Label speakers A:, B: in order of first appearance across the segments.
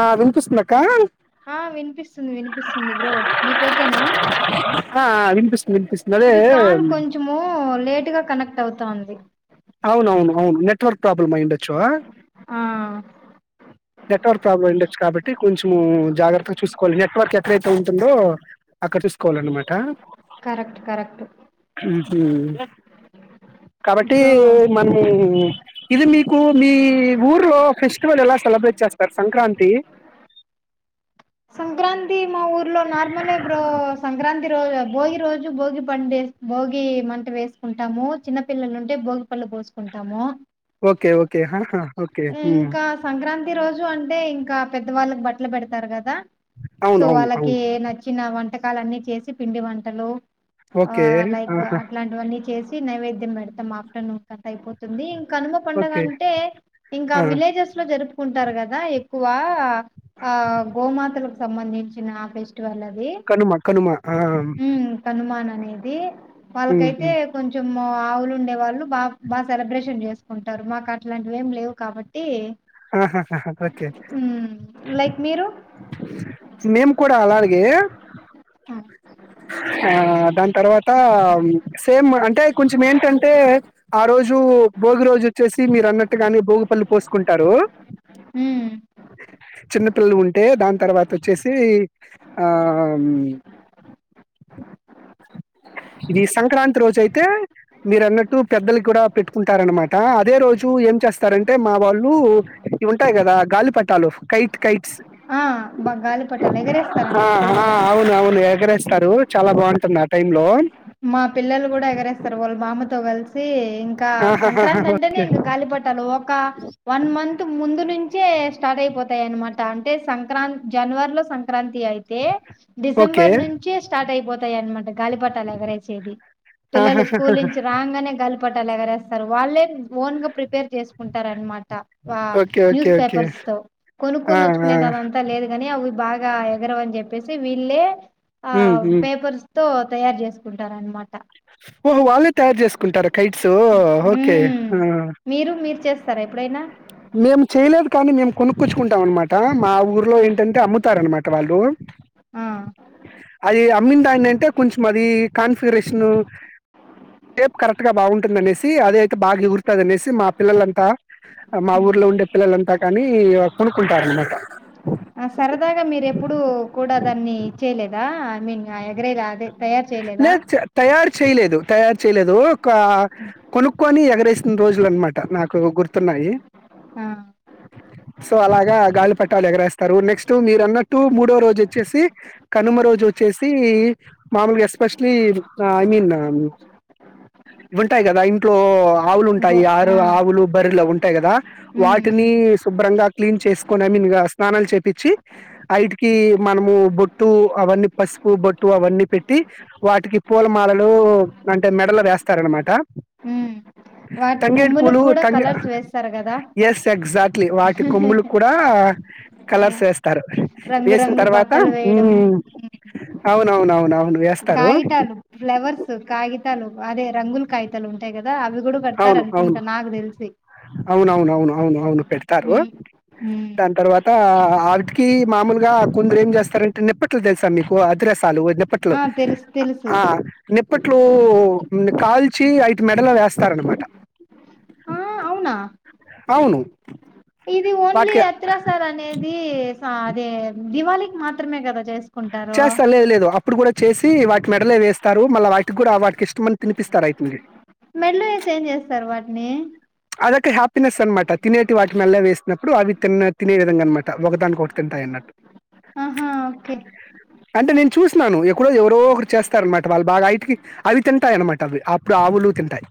A: ఆ వినిపిస్
B: ఆ వినిపిస్తుంది వినిపిస్తుంది బ్రో మీకు ఓకేనా
A: ఆ వినిపిస్తుంది వినిపిస్తుంది అదే
B: ఇది కాల్ కొంచెము లేటు గా కనెక్ట్ అవుతాంది
A: అవునవును అవును నెట్వర్క్ ప్రాబ్లమ్ అయిండచ్చు ఆ
B: ఆ
A: నెట్వర్క్ ప్రాబ్లం ఉండొచ్చు కాబట్టి కొంచెము జాగ్రత్తగా చూసుకోవాలి నెట్వర్క్ ఎక్కడైతే ఎక్కడ ఉంటుందో అక్కడ చూసుకోవాలన్నమాట
B: కరెక్ట్ కరెక్ట్
A: మ్మ్ కాబట్టి
B: సో
A: మనము ఇది మీకు మీ ఊరులో ఫెస్టివల్ ఎలా సెలబ్రేట్ చేస్తారు సంక్రాంతి
B: సంక్రాంతి మా ఊర్లో నార్మలే బ్రో సంక్రాంతి రోజు భోగి రోజు భోగి పండే భోగి మంట వేసుకుంటాము చిన్న పిల్లలు ఉంటే భోగి పళ్ళు పోసుకుంటాము
A: ఓకే ఓకే హాహా ఓకే హుమ్
B: ప్రతి రోజు అంటే ఇంకా పెద్ద వాళ్ళకి బట్టలు పెడతారు కదా
A: అవును
B: సో
A: అవును
B: వాళ్ళకి
A: అవును
B: నచ్చిన వంటకాలన్ని చేసి పిండి వంటలు ఆ
A: ఓకే
B: లైక్
A: ఆహా
B: అట్లాంటివన్నీ చేసి నైవేద్యం పెడతాం ఆఫ్టర్నూన్ కంత అయిపోతుంది కనుమ పండగ
A: ఓకే
B: అంటే ఇంకా
A: ఆ
B: విలేజెస్ లో జరుపు కుంటారు కదా ఎక్కువ ఆ గోమాతలకు సంబంధించిన ఫెస్
A: కనుమ కనుమ ఆ,
B: తాను మా అనేది
A: ఉమ్,
B: వాళ్ళకైతే
A: ఉమ్.
B: కొంచెం ఆవులు ఉండే వాళ్ళు బా బా సెలబ్రేషన్ చేసుకుంటారు మాకు అట్లాంటివి ఏం లేవు కాబట్టి
A: అహ్హ ఓకే
B: ఉమ్ లైక్ మీరు
A: మేము కూడా అలాగే [inaudible] ఆ దాని తర్వాత సేమ్ అంటే కొంచెం ఏంటంటే ఆ రోజు భోగి రోజు వచ్చేసి మీరు అన్నట్టుగాని భోగుపళ్లిు పోసుకుంటారు
B: హ
A: పట్టలు ఉంటే దాని తర్వాత వచ్చేసి ఆ ఇది సంక్రాంతి రోజు అయితే మీరు అన్నట్టు పెద్దల కూడా పెట్టుకుంటార అనమాట అదే రోజు ఏం చేస్తారంటే మా వాళ్ళు ఇవి ఉంటాయి కదా గాలి పటాలు కైట్ కైట్స్
B: ఆ బ గాలిపట ఎగరాశారు ఇక్కడ కూడా
A: స్తారు చాలా బాగుంటుంది ఆ టై లో
B: మా పిల్లలు కూడా ఎగరేస్తారు వాళ్ళ మాామతో కలిసి ఇంకా
A: ఆహాహా
B: సంక్రాంతి అంటేనే
A: ఓకే
B: ఇంకా గాలిపట్టాల ఒక వన్ మంత్ ముందు నుంచి మంచే స్టార్ట్ అయిపోతాయి అనమాట అంటే సంక్రాంతి జనవరిలో సంక్రాంతి అయితే
A: ఓకే
B: డిసెంబర్ నుంచే స్టార్ట్ అయిపోతాయి అనమాట గాలిపట్టాలు ఎగరైతే పిల్లలు
A: ఆహాహా
B: స్కూల్ నుంచి రాగానే గ పగరేస్తారుళ్ళ ఓన్గా ప్రిపేర్ చే కుంటారనమాట ఆ
A: okay. Okay.
B: News
A: okay.
B: Papers తో
A: ఆ!
B: కొనుక్కొని
A: ఆ!
B: వచ్చుకునేది అదంతా లేదు ని అవి బాగా ఎగరని చెప్పే వీళ్ళే
A: హ్మ్. హ్మ్.
B: పేపర్స్ తో తయ చేసు కుంటార అనమాట
A: ఓహో వాళ్ళే తయారు చేసుకుంటారు కైట్స్ ఓకే
B: హ్మ్ మీరు మీరు చేస్తారా ఎప్పుడైనా
A: మేము చేయలేదు కానీ మేం కొనుక్కచ్చుకుంటాం అనమాట మా ఊర్లో
B: ఆ
A: ఏంటంటే అమ్ముతారనమాట వాళ్ళు
B: ఆ
A: అది అమ్మందాని అంటే కొంచెం అది కాన్ఫిగరేషన్ షప్ కరెక్ట్ బాగుంటుంద అనేసి అది అయితే బాగా ఎగురుతుందినేసి మా పిల్లలంతా మా
B: హ్మ్.
A: ఊర్లో ఉండే పిల్లలంతా కానీ కొనుక్కుంటార అనమాట
B: ఆ సరదాగా మీరు ఎప్పుడు కూడా దాన్ని ఇచ్చేయలేదా ఐ మీన్ ఆ ఎగరే అదే తయారు చేయలేదా
A: లేదు తయారు చేయలేదు తయారు చేయలేదు కొనుక్కొని ఎగరేసిన రోజులు అనమాట నాకు గుర్తున్నాయి
B: ఆ
A: సో అలాగా గాలి పట్ ట్ట ఎగరేస్తారు నెక్స్ట్ మీరు అన్నట్టు మూడో రోజు వచ్చేసి కనుమ రోజు వచ్చేసి మామూలుగా ఎస్పెషలీ ఐ మీన్ ఉంటాయి కదా ఇంట్లో
B: గో
A: ఆవులుంటాయి ఆరు
B: ఆ
A: ఆవులు బర్రెలు ఉంటాయి కదా
B: హ్మ్ హ్మ్
A: వాటిని శుభ్రంగా క్లీన్ చేసుకొని ఐ మీన్ స్నానాలు చాపించే ఐటికి మనము బొట్టు అవన్నీ ప బట్టు అన్నీ పెట్టి వాటికి పూలమాలలు అంటే మెడలు వేస్తారనమాట
B: హ్మ్ వాటి
A: తంగేడి
B: కొమ్ములకు
A: పూలు
B: కూడా కలర్స్ వేస్తారు కదా
A: ఎస్ ఎక్జాక్ట్లీ వాటి కొమ్ములు కూడా కలర్స్ వేస్తారు వేసిన
B: రంగురంగు
A: తర్వాత
B: బట్టలు వేయడం హ్మ్.
A: అవునవునవునవును వేస్తారు
B: కాగితాలు ఫ్లవర్స్ కాగితాలు అదే రంగులు కాగితాలు ఉంటాయి కదా రా అవి కూడా కడతారు అనుకుంటా నాకు తెలిసి
A: అవునవున అవును అవును అవును పెడతారు
B: హ్మ్ హ్మ్
A: దాని తర్వాత ఆటికి మామూలు కొందరు ఏం చేస్తారంటే నిప్పట్లు తెలుసా మీకు అది చాలు నిప్పట్లు
B: ఆ తెలుసు తెలుసు
A: ఆ నిప్పట్లు కాల్చి ఐటు మెడల్ వేస్తార అనమాట
B: ఆ అవునా
A: అవును
B: ఇది ఓన్లీ
A: వాటికి
B: హత్రసార్ అనేది అదే దివాళికి మాత్రమే కదా చేస్త
A: చేస్తా లేదు లేదు అప్పుడు కూడా చేసి వాటి మెడలే వేస్తారు మళ్ళ వాటికి కూడా అ వాడికి ఇష్టమని తినిపిస్తారు వాటిని
B: మెల్లో వేసి ఏం చేస్తారు వాటిని
A: అదొక హ్యాపీనెస్ అనమాట తినేటి వాటి మెళ్ళో వేసినప్పుడు అవి తి తినే విధంగా అనమాట ఒకదాని ఒకటి తింటాయి అన్నట్టు
B: ఆహా ఓకే
A: అంటే నేను చూసినాను ఎక్కడో ఎవరో ఒకరు చేస్తార అనమాట వాళ్ళు బాగా యటికి అవి తింటాయి అనమాట అవి అప్పుడు ఆవులు తింటాయి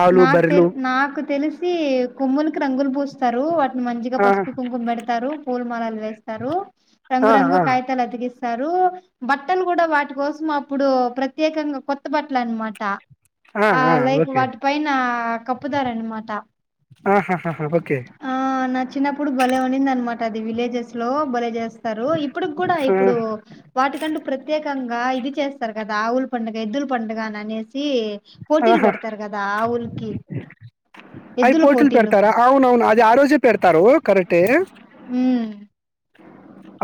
A: ఆవులు,
B: నాకు తె
A: బర్రెలు.
B: నాకు తెలిసి కొమ్ములకి రంగులు స్తారు వాటిని మంచిగా
A: ఆ!
B: పసుపు కుంకుమ పెడతారు పూల మాలలు వేస్తారు రంగు
A: ఆ!
B: రంగు
A: ఆ!
B: కాగితాలు అతికిస్తారు స్తారు బట్టలు కూడా వాటి కోసం అప్పుడు ప్రత్యేకంగా కొత్త బట్టలు అనమాట
A: ఆ ఆ
B: లైక్
A: ఓకే
B: వాటి పైన కప్పుతారన్నమాట
A: ఆహాహాహా! ఓకే.
B: ఆ నా చిన్నప్పుుడు బలే ఉనింద అన్మాట అది విలేజెస్ లో బలే చేస్తారు ఇప్పుడు కూడా
A: ఆ!
B: ఇప్పుడు వాటికంటూ ప్రత్యేక కంగా ఇది చేస్తారు కదా ఆవుల పండుగ ఎద్దుల పండుగ అని అనేసి పోటీలు
A: ఆహా!
B: పెడతారు కదా ఆ ఉలుకి
A: అవి పోటీలు పెడతారా అవున అవును అది ఆ రోజే పెడతారు కరెక్టే
B: హ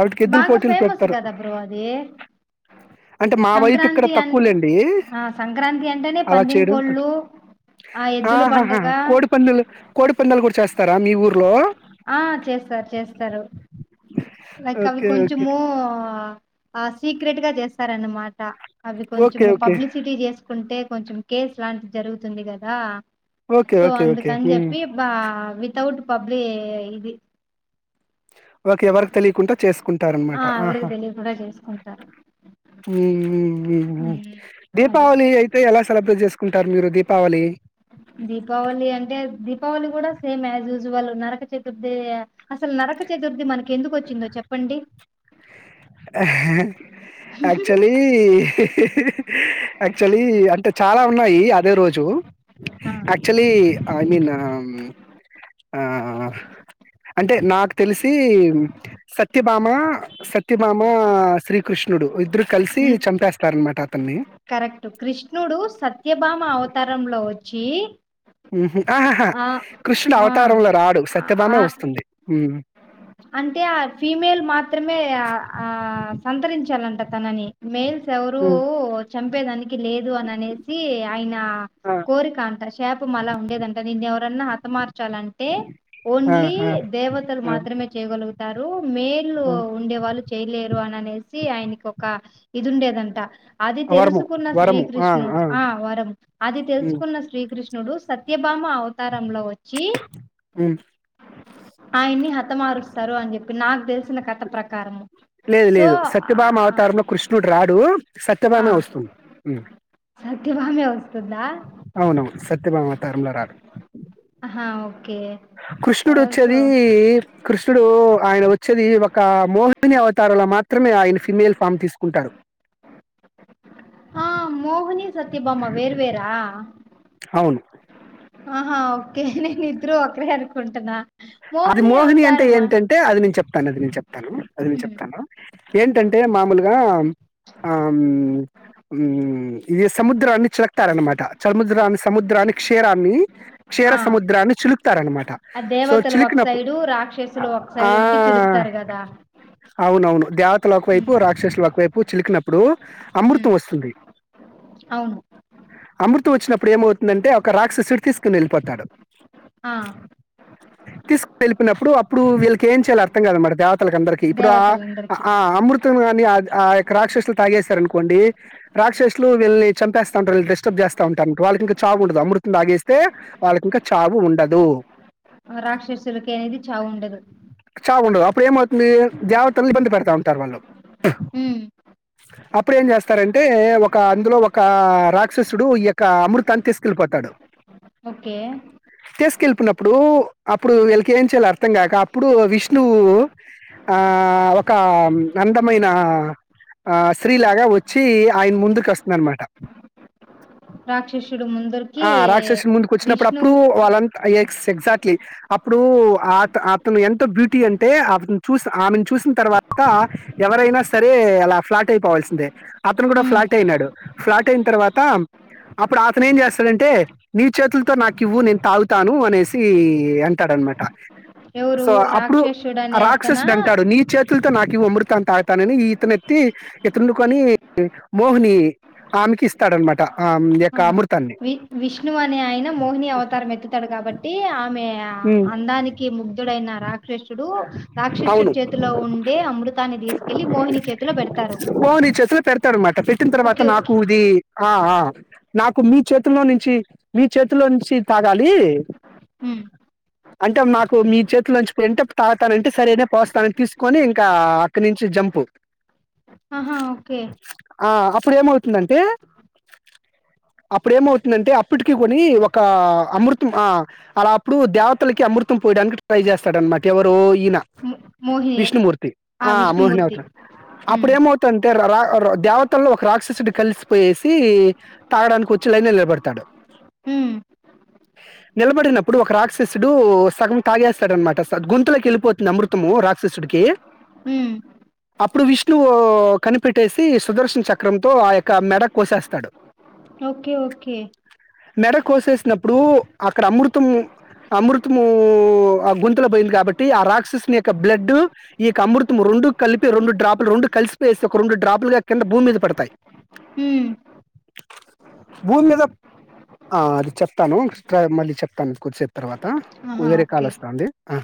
A: ఆటికి ఎద్దుల
B: బాగా
A: పోటీలు
B: ఫేమస్
A: పెడతారు.
B: కదా బ్రో అది
A: అంటే మా వైపు ఇక్కడ
B: సంక్రాంతి అన్
A: తక్కువలేండి
B: ఆ సంక్రాంతి అంటేనే
A: అలా
B: పందెం
A: చేయడం తక్కువ
B: కోళ్ళు ఆ ఎద్దుల
A: ఆహాహా
B: పండగ
A: కోడి పందలు కోడి పందలు కూడా చేస్తారా మీ ఊర్లో
B: ఆ చేస్తారు చేస్తారు లైక్ అవి
A: ఓకే. ఓకే.
B: కొంచము సీక్రెట్ గా చేస్తారనమాట అ
A: ఓకే
B: కొంచం
A: ఓకే
B: పబ్లిసిటీ చేసుకుంటే కొంచెం కేసు లాంటి జరుగుతుంది కదా
A: ఓకే
B: సో
A: ఓకే ఓకే
B: అందుకని
A: హ్మ్.
B: చెప్పి బా వితౌట్ పబ్లి ఇది
A: ఓకే ఎవరికి తెలియకుండా చేసుకుంటార
B: ఆ
A: అనమాట
B: ఎవరికి
A: ఆహా
B: తెలియకుండా చేసుకుంటారు ఉమ్, అది
A: దీపావళి అయితే ఎలా సెలబ్రేట్ చేసుకుంటారు మీరు దీపా
B: దీపావళి అంటే దీపావళి కూడా సేమ్ జ జ నరక చతుర్థి అసలు నరక చతుర్థి మనకి ఎందుకు వచ్చిందో చెప్పండి
A: యాక్చువలీ యాక్చువలీ అంటే చాలా ఉన్నాయి అదే రోజు
B: ఆ
A: యాక్చులీ ఐ మీన్ అంటే నాకు తెలిసి సత్యభామ సత్యభామ శ్రీకృష్ణుడు ఇద్దరు కలిసి
B: ఉమ్,
A: చంపేస్తార అనమాట అతన్ని
B: కరెక్ట్ కృష్ణుడు సత్యభామ అవతారంలో వచ్చి
A: ఆహాహా
B: ఆ
A: కృష్ణుడు
B: ఆ
A: అవతారంలో రాడు సత్యభామ
B: ఆ
A: వస్తుంది
B: అంటే ఆ ఫీమేల్ మాత్రమే ఆ సంతరించాలంట తనని మేల్స్ ఎవరు
A: ఉమ్
B: చంపేదానికి లేదు అని అనేసి ఆయన
A: ఆ
B: కోరిక అంట శాప మలా ఉండేదంటా నిన్న ఎవర హత మ ాలంటే
A: ఆ
B: ఓన్లీ
A: ఆ
B: దేవతలు
A: ఆ,
B: మాత్రమే చేయగలుగుతారు మేలు
A: ఆ.
B: ఉండే వాళ్ళు చేయలేరు అని అనేసి ఆయనకి ఒక ఇది ఉండేదంట అది
A: వరము
B: తెలుసుకున్న
A: వరము ఆ
B: శ్రీకృష్ణుడు ఆ వరం అది
A: ఉమ్
B: తెలుసుకున్న శ్రీకృష్ణుడు సత్య బామ అవతారంలో వచ్చి
A: ఉమ్
B: ఆయన్ని హ హత మారుస్తారు అని చెప్పి నాకు తెలిసిన కథ ప్రకారము
A: లేదు
B: సో
A: లేదు
B: ఆ
A: సత్యభామ అవతారంలో కృష్ణుడు రాడు
B: ఆ
A: సత్యభామే వస్తుంది
B: సత్యభామే వస్తుందా
A: అవునవును సత్యభామ అవతారంలో రాడు
B: ఓ
A: కృష్ణుడు వచ్చేది కృష్ణుడు ఆయన వచ్చేది ఒక మోహిని అవతారంలో మాత్రమే ఆయన ఫిమెల్ ఫామ్ తీసుకుంటారు
B: ఆ మోహని, సత్యబామ్మా వేర్వేరా.
A: అవును
B: ఆహా ఓకే నీనిద్రు ఒకరే అనుకుంటనా మోహని ఎవ్
A: టే ఏంటంటే అది నేను చెప్తాను. అది నేను చెప్తాను, అది నేను
B: ఉమ్
A: చెప్తాను. ఏంటంటే మామూలుగామ్ ఆమ్ ఉమ్ ఇది సముద్రాన్ని చిలక్తారన్నమాట చముద్రాన్ని, సముద్రాన్ని క్షీరాన్ని కేరా
B: ఆ
A: సముద్రాన్ని చులుపుతారనమాట.
B: తల్ ఒక సైడు, రాక్షసులు ఒక
A: ఆ
B: సైడ్ ఉండి చిలుకుతారు కదా.
A: అవునవును దేవతలు ఒకవైపు,
B: ఉమ్
A: రాక్షసులు ఒకవైపు, చిలికినప్పుడు అమృతం
B: ఉమ్
A: వస్తుంది.
B: అవును
A: అమృతం వచ్చినప్పుడు ఏమవుతుందంటే, ఒక రాక్షసుడు తీసుకుని వెళ్ళిపోతాడు.
B: ఆ
A: తీసుక్ వెళ్ళిపినప్పుడు అప్పుడు వీళ్ళకి ఏం చేయాల్ అర్థం గాద్ అనమాట దేవత్ తల్క్ అందరికి ఇప్పుడు ఆ
B: దేవతలందరికి
A: ఆ అమృత్ తొంగాని ఆ ఆ యొక్క రాక్షసులు తాగేసారు అనుకోండి. రాక్షసులు వీళ్ళని చంపేస్తా ఉంటారు గెస్టోధ్య ఏస్తా ఉంటారు. ఇంక్ వాళ్ళకి ఇంకా చావు ఉండదు, అమృతం తాగేస్తే వాళ్ళకింకా చావు ఉండదు.
B: ఆ రాక్షసులకి అనేది చావుండదు.
A: చా ఉండదు. అప్పుడు ఏమవుతుంది, దేవతలు ఇబ్బంది పెడతా ఉంటారు వాళ్ళు
B: హూ
A: అప్పుడు ఏం జేస్తారంటే, ఒక అందులో ఒక రాక్షసుడు ఈ యొక్క అమృతాన్ని తీసుకెళ్ళిపోత్ కడవ్
B: ఓకే
A: తెస్కెలపోయినప్ ప్పుడు అప్పుడు ఇళ్లక్ ఏం చేయాలో అర్థం కాక అప్పుడు విష్ణువు ఆ ఒక ఆమ్ అందమైన ఆ శ్రీ లాగా వచ్చి ఆయన ముందుకు వస్తున్నానామాట.
B: రాక్షసుడు ముందరికి
A: ఆ రాక్షసి ముందుకు వచ్చినప్పుడు
B: విష్ణు
A: అప్పుడు వాళ్ళంతా సెగ్జాట్లి అప్పుడు ఆత్ అతను ఎంతో బ్యూటీ అంటే అతను చూసి ఆమెన్ చూసిన తర్వాత్ వక్కా ఎవరైనా సరే అలా ఫ్లాట్ అయిపోవాల్సిందే అతను కూడా
B: ఉమ్
A: ఫ్లాట్ అయినాడు. ఫ్లాట్ ఎన్ తర్వాత అప్పుడు అతను ఏం చేస్తాడంటే, నీ చేతులతో నాకు ఇవ్వు నేను తాగుతాను. అనేసి సి అంటాడు అనమాట
B: ఎవరు
A: సో అప్పుడు
B: రాక్షసుడు
A: ఆ
B: అనే అతన
A: రాక్షసుడు అంటాడు. నీ చేతుల్ తో నాకివు అమృత తాగుతానని ఇతనేతి ఇంతుండుకొని మోహిని ఆమెకి ఇస్తాడనమాట ఆమ్ యెక్క
B: ఆ
A: అమృ
B: వి విష్ణు అనే ఆయన మోహిని అవతారం ఎత్తుతాడు కాబట్టి ఆ ఆమె
A: ఉమ్.
B: అందానికి ముగ్ దుడైనా రాక్షసుడు. రాక్షసుడు
A: అవును
B: చేతిలో ఉండే అమృతాన్ని తీసుకెళ్లి మోహిని చేతిలో బెడత్
A: ఓ నీ చేతిలో పెడతాడ్ అనమాట పెట్టిన తర్వాత
B: ఓకే ఓకే
A: నాకుది ఆ ఆ నాకు మీ చేతిలో నుంచి మీ చేతిలో నుంచి తాగాలి
B: హు్
A: అంటే మాకు మీ చేత్ ఇట్లాచ్ పెట్టాప్ తాగుతానంటే సరేనే పోస్తాన్ అని తీసుకొని ఇంకా అక్కడి నుంచి జంపు.
B: ఆహా ఓకే
A: ఆ అప్పుడు ఏమవుతుందంటే అప్పుడ ఏమవుతుందంటే అప్పటికి కొని ఒక అమృతం ఆ అలా అప్పుడు దేవతలకి అమృతం పోయడానికి ట్రై జేస్తాడన్నమాట ఎవరో ఈనా
B: మో మోహిని
A: విష్ణుమూర్తి ఆ మోహని అవతర్
B: ఉమ్
A: అప్పుడు ఏమవుతంటే రార్ దేవతల్లో ఒక రాక్షసుడు, కలిసిపోయేసి తాగడానికి వచ్చి లైన్లో నిలబడతాడు.
B: ఉమ్
A: నిలబడినప్పుడు ఒక రాక్షసుడు సగం తాగేస్తాడనమాట గొంతులకి వెళ్ళిపోతుంది అమృతము రాక్షసుడికి
B: హ్
A: అప్పుడు విష్ణువు కనిపెట్టేసి సుదర్శన చక్రంతో ఆ యొక్క మెడ కోసేస్తాడు
B: ఓకే ఓకే
A: మెడ కోసేసినప్పుడు అక్కడ అమృతము అమృతమూ ఆ గుంతలో పోయింది కాబట్టి ఆ రాక్షసుని యొక్క బ్లడ్డు ఈ కమృతం రొండు కలిపి రెండు డ్రాప్లు రెండు కలిసిపోయేస్తే ఒక రొండు డ్రాప్లుగా కింద భూమి మీద పడతాయి
B: మ్మ్
A: భూమి మీద ఆ అది చెప్తాను [unintelligible] మళ్ళీ చెప్తాను కొద్దిసేపు తర్వాత కు
B: ఆహా
A: వేరే కాల్
B: ఓకే
A: వస్తాంది ఆ